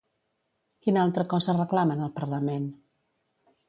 Quina altra cosa reclamen al parlament?